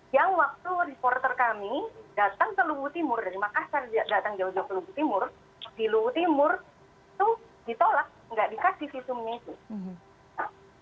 yang waktu reporter kami datang ke luhut timur dari makassar datang jauh jauh ke lubuk timur di luhut timur itu ditolak nggak dikasih visumnya itu